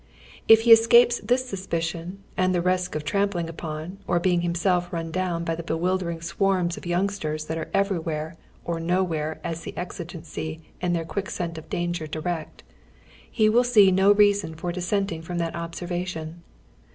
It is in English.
If lie escapes this snspicion and the risk of trampling npon, or being himself rnn down by the bewildering swarms of youngsters that are everywhere or nowhere as the exi gency and their qnick scent of danger direct, ho will see no reason for dissenting fi'oni that observation.